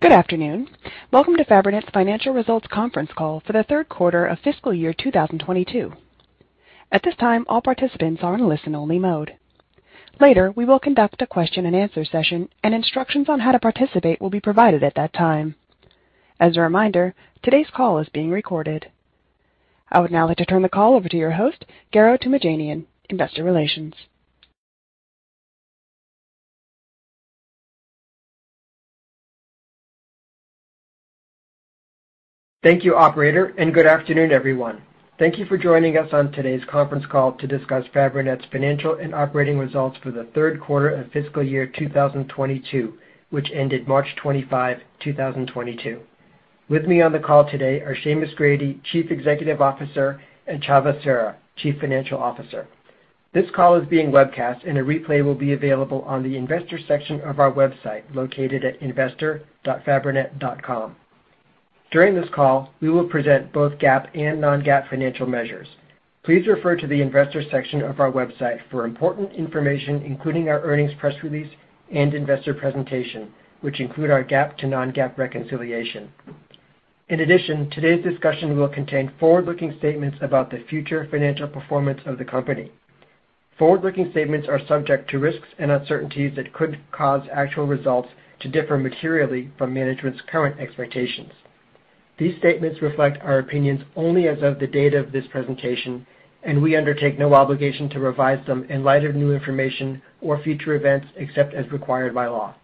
Good afternoon. Welcome to Fabrinet's Financial Results Conference Call for the third Q3 of fiscal year 2022. At this time, all participants are in listen-only mode. Later, we will conduct a question-and-answer session, and instructions on how to participate will be provided at that time. As a reminder, today's call is being recorded. I would now like to turn the call over to your host, Garo Toomajanian, Investor Relations. Thank you, operator, and good afternoon, everyone. Thank you for joining us on today's conference call to discuss Fabrinet's financial and operating results for the Q3 of fiscal year 2022, which ended March 25, 2022. With me on the call today are Seamus Grady, Chief Executive Officer, and Csaba Sverha, Chief Financial Officer. This call is being webcast, and a replay will be available on the Investors section of our website, located at investor.fabrinet.com. During this call, we will present both GAAP and non-GAAP financial measures. Please refer to the Investors section of our website for important information, including our earnings press release and investor presentation, which include our GAAP to non-GAAP reconciliation. In addition, today's discussion will contain forward-looking statements about the future financial performance of the company. Forward-looking statements are subject to risks and uncertainties that could cause actual results to differ materially from management's current expectations. These statements reflect our opinions only as of the date of this presentation, and we undertake no obligation to revise them in light of new information or future events, except as required by law.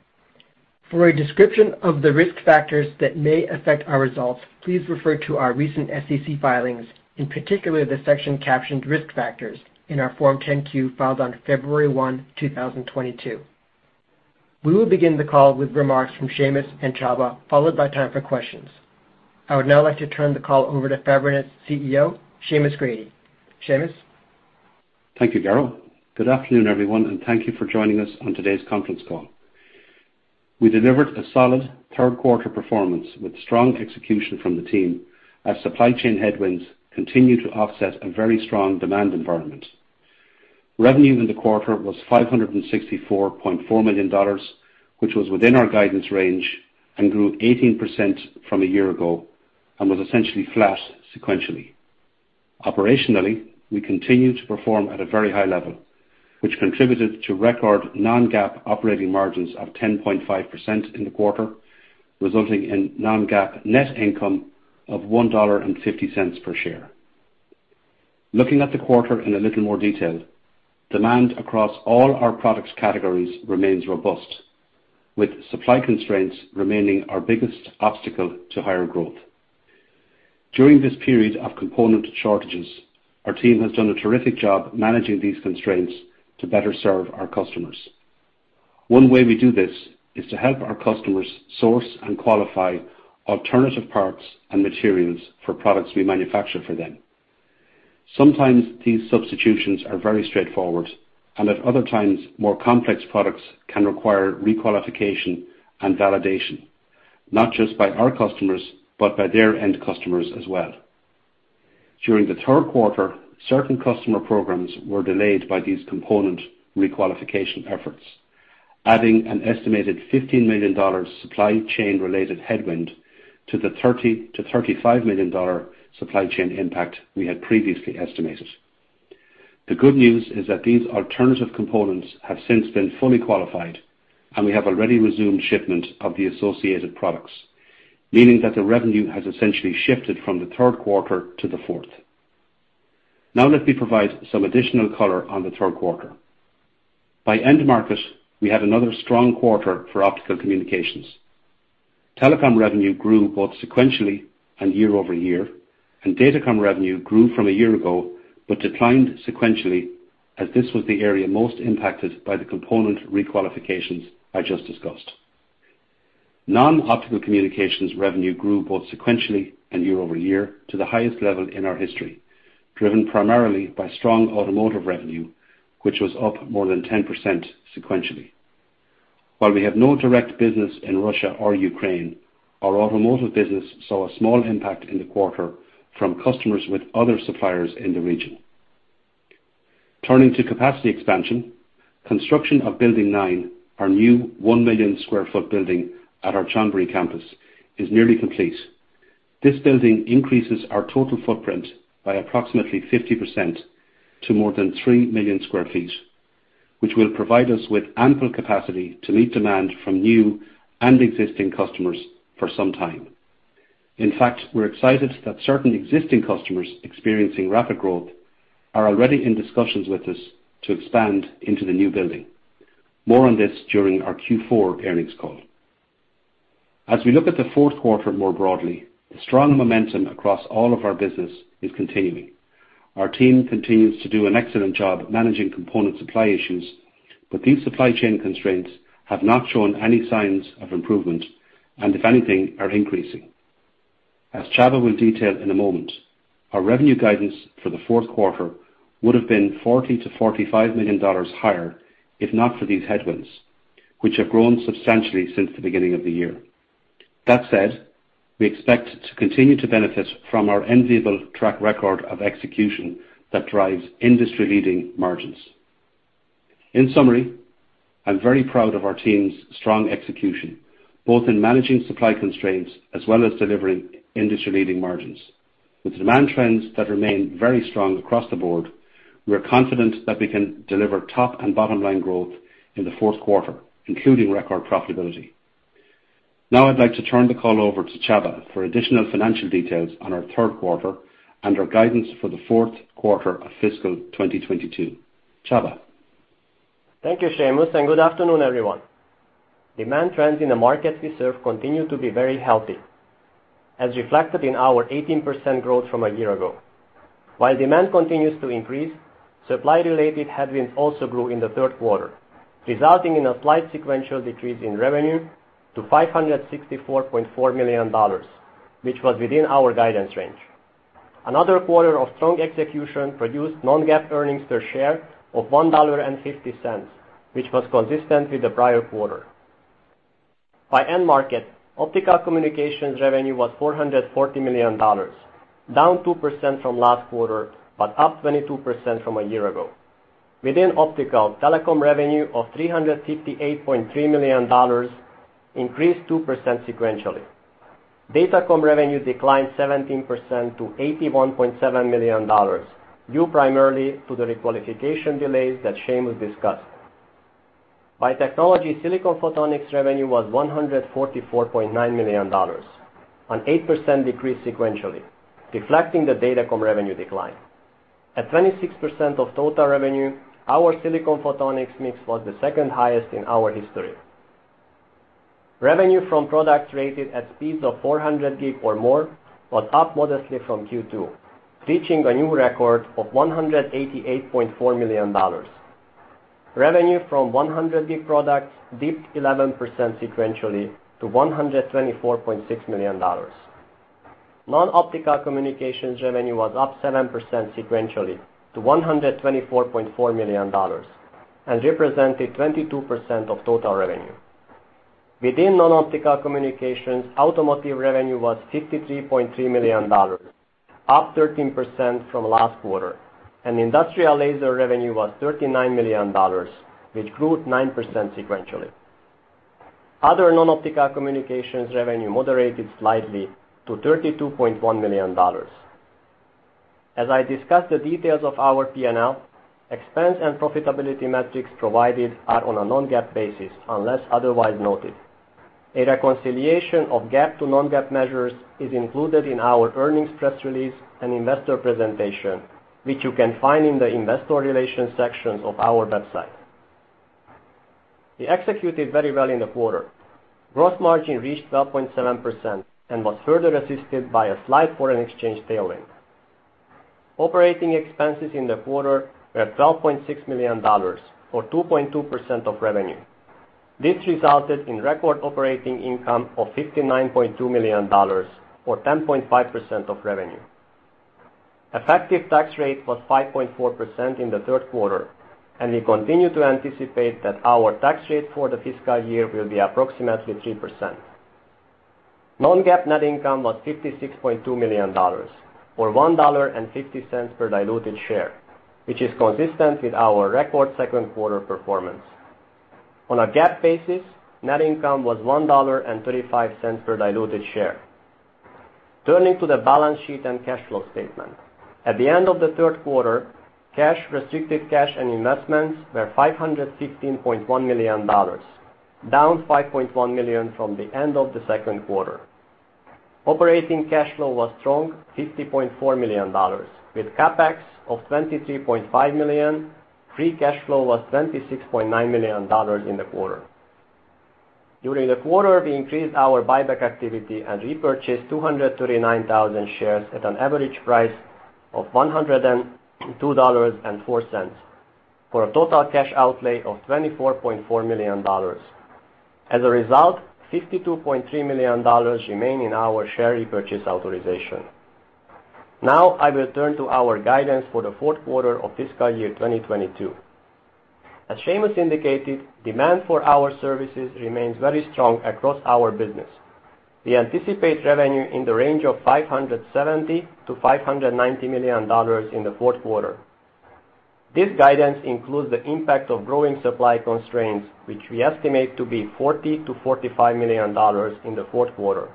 For a description of the risk factors that may affect our results, please refer to our recent SEC filings, in particular the section captioned Risk Factors in our Form 10-Q filed on February 1, 2022. We will begin the call with remarks from Seamus and Csaba, followed by time for questions. I would now like to turn the call over to Fabrinet's CEO, Seamus Grady. Seamus? Thank you, Garo. Good afternoon, everyone, and thank you for joining us on today's conference call. We delivered a solid Q3 performance with strong execution from the team as supply chain headwinds continue to offset a very strong demand environment. Revenue in the quarter was $564.4 million, which was within our guidance range and grew 18% from a year ago and was essentially flat sequentially. Operationally, we continue to perform at a very high level, which contributed to record non-GAAP operating margins of 10.5% in the quarter, resulting in non-GAAP net income of $1.50 per share. Looking at the quarter in a little more detail, demand across all our product categories remains robust, with supply constraints remaining our biggest obstacle to higher growth. During this period of component shortages, our team has done a terrific job managing these constraints to better serve our customers. One way we do this is to help our customers source and qualify alternative parts and materials for products we manufacture for them. Sometimes these substitutions are very straightforward, and at other times, more complex products can require re-qualification and validation, not just by our customers, but by their end customers as well. During the Q3, certain customer programs were delayed by these component re-qualification efforts, adding an estimated $15 million supply chain related headwind to the $30-35 million supply chain impact we had previously estimated. The good news is that these alternative components have since been fully qualified, and we have already resumed shipment of the associated products, meaning that the revenue has essentially shifted from the Q3 to the fourth. Now let me provide some additional color on the Q3. By end market, we had another strong quarter for Optical Communications. Telecom revenue grew both sequentially and year-over-year, and Datacom revenue grew from a year ago, but declined sequentially as this was the area most impacted by the component re-qualifications I just discussed. Non-Optical Communications revenue grew both sequentially and year-over-year to the highest level in our history, driven primarily by strong Automotive revenue, which was up more than 10% sequentially. While we have no direct business in Russia or Ukraine, our Automotive business saw a small impact in the quarter from customers with other suppliers in the region. Turning to capacity expansion, construction of Building 9, our new 1 million sq ft building at our Chonburi campus, is nearly complete. This building increases our total footprint by approximately 50% to more than 3 million sq ft, which will provide us with ample capacity to meet demand from new and existing customers for some time. In fact, we're excited that certain existing customers experiencing rapid growth are already in discussions with us to expand into the new building. More on this during our Q4 earnings call. As we look at the Q4 more broadly, the strong momentum across all of our business is continuing. Our team continues to do an excellent job managing component supply issues, but these supply chain constraints have not shown any signs of improvement, and if anything, are increasing. As Csaba will detail in a moment, our revenue guidance for the Q4 would have been $40-45 million higher if not for these headwinds, which have grown substantially since the beginning of the year. That said, we expect to continue to benefit from our enviable track record of execution that drives industry-leading margins. In summary, I'm very proud of our team's strong execution, both in managing supply constraints as well as delivering industry-leading margins. With demand trends that remain very strong across the board, we are confident that we can deliver top and bottom line growth in the Q4, including record profitability. Now I'd like to turn the call over to Csaba for additional financial details on our Q3 and our guidance for the Q4 of fiscal 2022. Csaba. Thank you, Seamus, and good afternoon, everyone. Demand trends in the markets we serve continue to be very healthy, as reflected in our 18% growth from a year ago. While demand continues to increase, supply-related headwinds also grew in the Q3, resulting in a slight sequential decrease in revenue to $564.4 million, which was within our guidance range. Another quarter of strong execution produced non-GAAP earnings per share of $1.50, which was consistent with the prior quarter. By end market, Optical Communications revenue was $440 million, down 2% from last quarter, but up 22% from a year ago. Within optical, Telecom revenue of $358.3 million increased 2% sequentially. Datacom revenue declined 17% to $81.7 million, due primarily to the requalification delays that Seamus discussed. By technology, Silicon Photonics revenue was $144.9 million, an 8% decrease sequentially, reflecting the Datacom revenue decline. At 26% of total revenue, our Silicon Photonics mix was the second highest in our history. Revenue from products rated at speeds of 400G or more was up modestly from Q2, reaching a new record of $188.4 million. Revenue from 100G products dipped 11% sequentially to $124.6 million. Non-Optical Communications revenue was up 7% sequentially to $124.4 million and represented 22% of total revenue. Within Non-Optical Communications, Automotive revenue was $53.3 million, up 13% from last quarter, and Industrial Laser revenue was $39 million, which grew 9% sequentially. Other Non-Optical Communications revenue moderated slightly to $32.1 million. As I discussed the details of our P&L, expense and profitability metrics provided are on a non-GAAP basis, unless otherwise noted. A reconciliation of GAAP to non-GAAP measures is included in our earnings press release and investor presentation, which you can find in the investor relations section of our website. We executed very well in the quarter. Gross margin reached 12.7% and was further assisted by a slight foreign exchange tailwind. Operating expenses in the quarter were $12.6 million, or 2.2% of revenue. This resulted in record operating income of $59.2 million, or 10.5% of revenue. Effective tax rate was 5.4% in the Q3, and we continue to anticipate that our tax rate for the fiscal year will be approximately 3%. non-GAAP net income was $56.2 million, or $1.50 per diluted share, which is consistent with our record Q2 performance. On a GAAP basis, net income was $1.35 per diluted share. Turning to the balance sheet and cash flow statement. At the end of the Q3, cash, restricted cash and investments were $516.1 million, down $5.1 million from the end of the Q2. Operating cash flow was strong, $50.4 million, with CapEx of $23.5 million. Free cash flow was $26.9 million in the quarter. During the quarter, we increased our buyback activity and repurchased 239,000 shares at an average price of $102.04 for a total cash outlay of $24.4 million. As a result, $52.3 million remain in our share repurchase authorization. Now I will turn to our guidance for the Q4 of fiscal year 2022. As Seamus indicated, demand for our services remains very strong across our business. We anticipate revenue in the range of $570-590 million in the Q4. This guidance includes the impact of growing supply constraints, which we estimate to be $40-45 million in the Q4.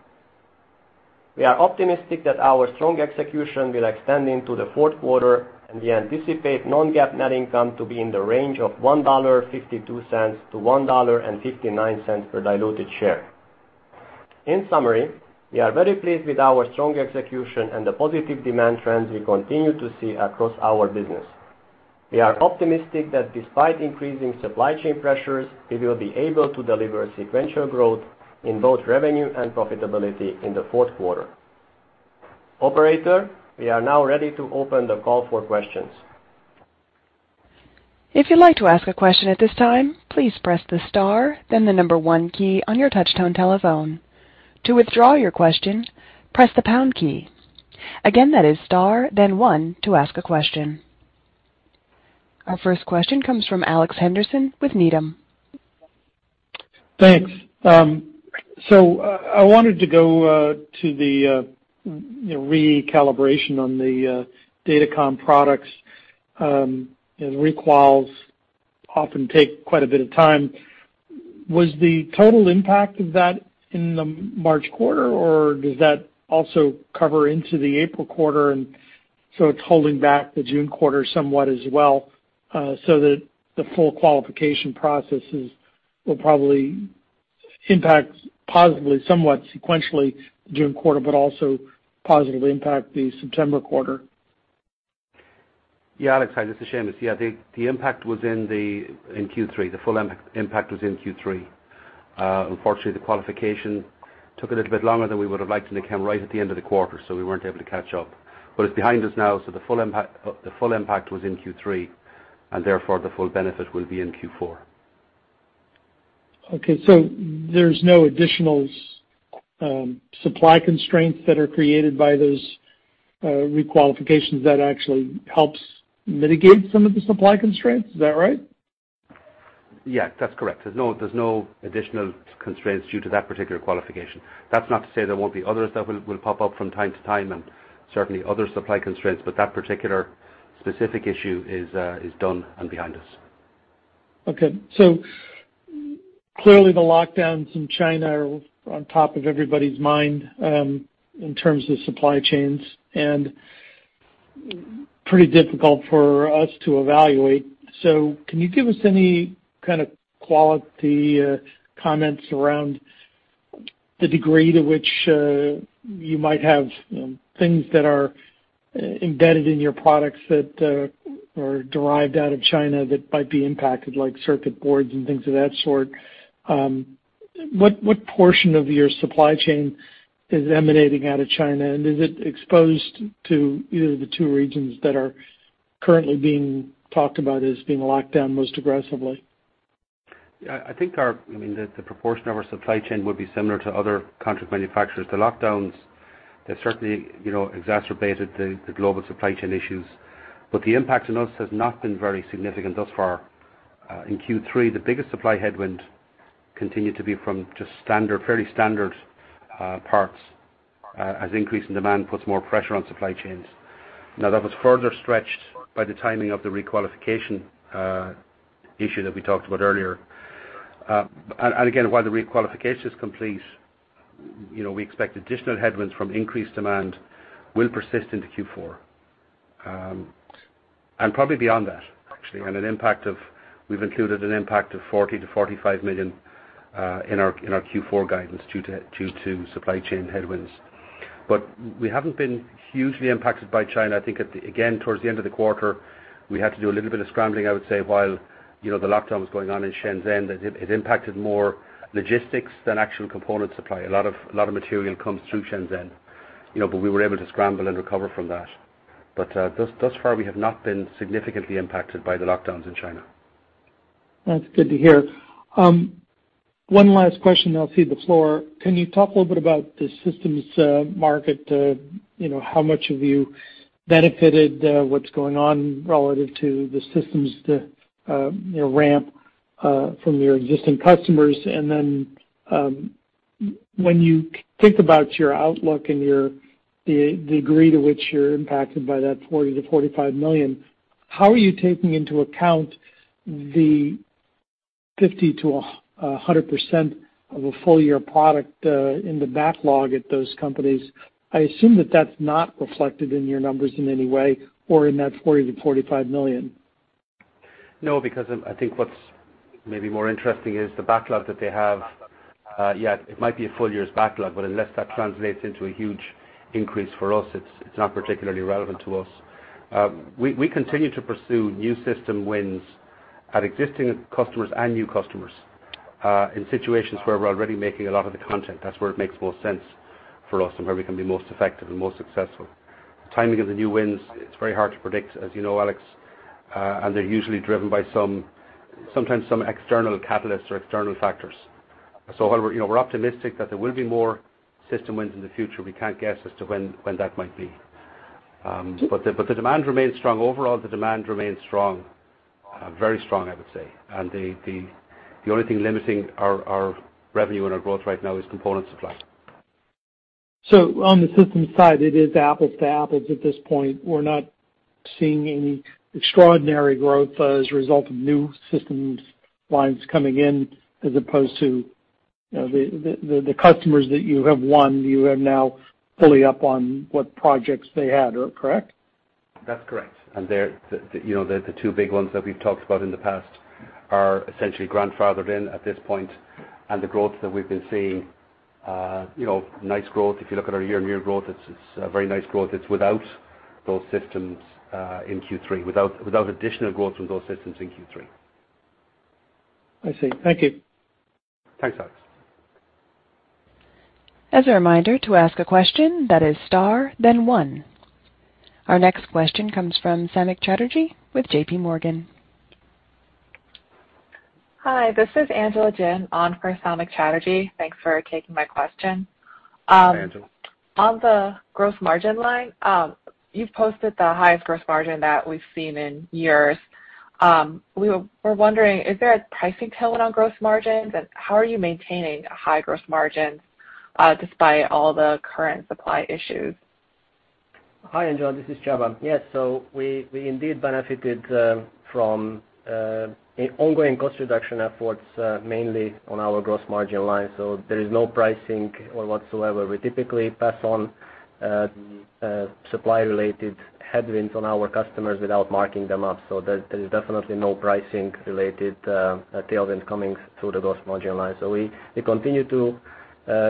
We are optimistic that our strong execution will extend into the Q4, and we anticipate non-GAAP net income to be in the range of $1.52-1.59 per diluted share. In summary, we are very pleased with our strong execution and the positive demand trends we continue to see across our business. We are optimistic that despite increasing supply chain pressures, we will be able to deliver sequential growth in both revenue and profitability in the Q4. Operator, we are now ready to open the call for questions. If you'd like to ask a question at this time, please press the star then the number one key on your touch-tone telephone. To withdraw your question, press the pound key. Again, that is star then one to ask a question. Our first question comes from Alex Henderson with Needham. Thanks. I wanted to go, you know, to the recalibration on the Datacom products. Re-quals often take quite a bit of time. Was the total impact of that in the March quarter or does that also cover into the April quarter, and so it's holding back the June quarter somewhat as well, so that the full qualification processes will probably impact positively, somewhat sequentially the June quarter but also positively impact the September quarter? Yeah, Alex. Hi, this is Seamus. Yeah, the impact was in Q3. The full impact was in Q3. Unfortunately, the qualification took a little bit longer than we would have liked, and it came right at the end of the quarter, so we weren't able to catch up. It's behind us now, so the full impact was in Q3, and therefore the full benefit will be in Q4. Okay, there's no additional supply constraints that are created by those re-qualifications that actually helps mitigate some of the supply constraints. Is that right? Yeah, that's correct. There's no additional constraints due to that particular qualification. That's not to say there won't be others that will pop up from time to time and certainly other supply constraints, but that particular specific issue is done and behind us. Okay. Clearly, the lockdowns in China are on top of everybody's mind, in terms of supply chains and pretty difficult for us to evaluate. Can you give us any kind of qualitative comments around the degree to which you might have things that are embedded in your products that are derived out of China that might be impacted like circuit boards and things of that sort? What portion of your supply chain is emanating out of China, and is it exposed to either of the two regions that are currently being talked about as being locked down most aggressively? Yeah. I think. I mean, the proportion of our supply chain would be similar to other contract manufacturers. The lockdowns, they've certainly, you know, exacerbated the global supply chain issues, but the impact on us has not been very significant thus far. In Q3, the biggest supply headwind continued to be from just standard, fairly standard parts, as increase in demand puts more pressure on supply chains. Now, that was further stretched by the timing of the re-qualification issue that we talked about earlier. And again, while the re-qualification is complete, you know, we expect additional headwinds from increased demand will persist into Q4. And probably beyond that, actually. We've included an impact of $40-45 million in our Q4 guidance due to supply chain headwinds. We haven't been hugely impacted by China. I think again, towards the end of the quarter, we had to do a little bit of scrambling, I would say, while, you know, the lockdown was going on in Shenzhen, that it impacted more logistics than actual component supply. A lot of material comes through Shenzhen, you know, but we were able to scramble and recover from that. Thus far, we have not been significantly impacted by the lockdowns in China. That's good to hear. One last question, then I'll cede the floor. Can you talk a little bit about the systems market? You know, how much have you benefited? What's going on relative to the systems that you know ramp from your existing customers? When you think about your outlook and the degree to which you're impacted by that $40-45 million, how are you taking into account the 50%-100% of a full year product in the backlog at those companies? I assume that that's not reflected in your numbers in any way or in that $40-45 million. No, because I think what's maybe more interesting is the backlog that they have, yeah, it might be a full year's backlog, but unless that translates into a huge increase for us, it's not particularly relevant to us. We continue to pursue new system wins at existing customers and new customers, in situations where we're already making a lot of the content. That's where it makes more sense for us and where we can be most effective and most successful. Timing of the new wins, it's very hard to predict, as you know, Alex, and they're usually driven by some external catalysts or external factors. While we're, you know, optimistic that there will be more system wins in the future, we can't guess as to when that might be. The demand remains strong. Overall, the demand remains strong, very strong, I would say. The only thing limiting our revenue and our growth right now is component supply. On the systems side, it is apples to apples at this point. We're not seeing any extraordinary growth, as a result of new systems lines coming in as opposed to, you know, the customers that you have won, you have now fully up on what projects they had. Correct? That's correct. They're the you know the two big ones that we've talked about in the past are essentially grandfathered in at this point. The growth that we've been seeing you know nice growth. If you look at our year-on-year growth, it's a very nice growth. It's without those systems in Q3, without additional growth from those systems in Q3. I see. Thank you. Thanks, Alex. As a reminder, to ask a question, press star then one. Our next question comes from Samik Chatterjee with JPMorgan. Hi, this is Angela Lai on for Samik Chatterjee. Thanks for taking my question. On the gross margin line, you've posted the highest gross margin that we've seen in years. We're wondering, is there a pricing tailwind on gross margins? How are you maintaining high gross margins despite all the current supply issues? Hi, Angela, this is Csaba. Yes. We indeed benefited from ongoing cost reduction efforts mainly on our gross margin line, so there is no pricing or whatsoever. We typically pass on supply-related headwinds on our customers without marking them up. There is definitely no pricing-related tailwind coming through the gross margin line. We continue to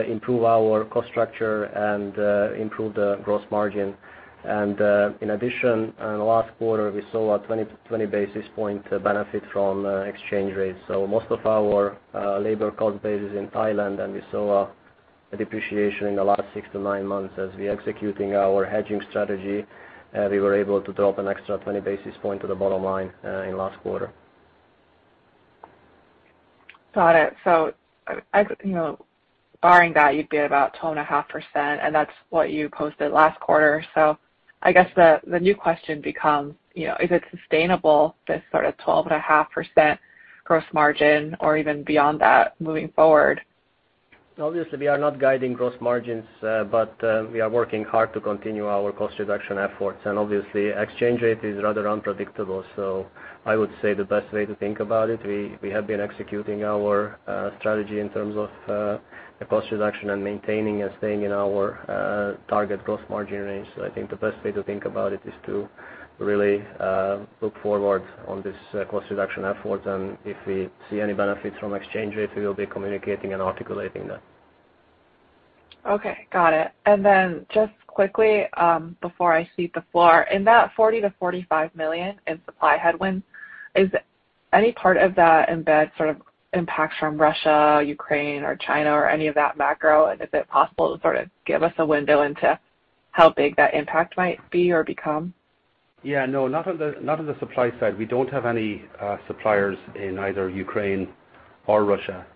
improve our cost structure and improve the gross margin. In addition, in the last quarter, we saw a 20 basis point benefit from exchange rates. Most of our labor cost base is in Thailand, and we saw a depreciation in the last 6 to 9 months as we're executing our hedging strategy, we were able to drop an extra 20 basis point to the bottom line in last quarter. Got it. You know, barring that, you'd be about 12.5%, and that's what you posted last quarter. I guess the new question becomes, you know, is it sustainable, this sort of 12.5% gross margin or even beyond that moving forward? Obviously, we are not guiding gross margins, but we are working hard to continue our cost reduction efforts. Obviously, exchange rate is rather unpredictable. I would say the best way to think about it, we have been executing our strategy in terms of cost reduction and maintaining and staying in our target gross margin range. I think the best way to think about it is to really look forward on this cost reduction efforts. If we see any benefits from exchange rate, we will be communicating and articulating that. Okay. Got it. Just quickly, before I cede the floor, in that $40-45 million in supply headwinds, is any part of that in the sort of impacts from Russia, Ukraine or China or any of that macro? Is it possible to sort of give us a window into how big that impact might be or become? Yeah. No, not on the supply side. We don't have any suppliers in either Ukraine or Russia.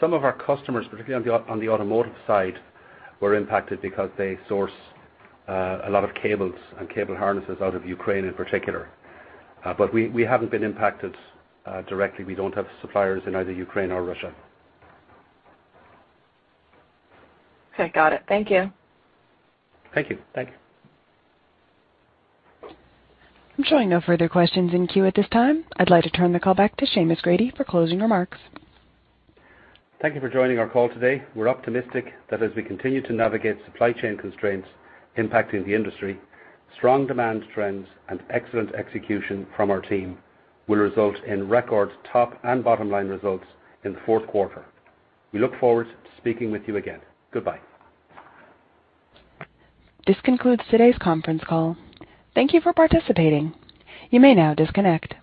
Some of our customers, particularly on the automotive side, were impacted because they source a lot of cables and cable harnesses out of Ukraine in particular. But we haven't been impacted directly. We don't have suppliers in either Ukraine or Russia. Okay. Got it. Thank you. Thank you. Thank you. I'm showing no further questions in queue at this time. I'd like to turn the call back to Seamus Grady for closing remarks. Thank you for joining our call today. We're optimistic that as we continue to navigate supply chain constraints impacting the industry, strong demand trends and excellent execution from our team will result in record top and bottom line results in the Q4. We look forward to speaking with you again. Goodbye. This concludes today's conference call. Thank you for participating. You may now disconnect.